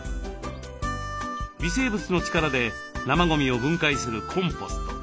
微生物の力で生ゴミを分解するコンポスト。